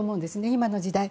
今の時代。